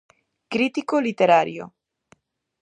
Crítico literario.